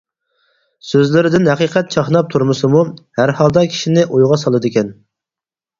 سۆزلىرىدىن «ھەقىقەت» چاقناپ تۇرمىسىمۇ ھەر ھالدا كىشىنى ئويغا سالىدىكەن.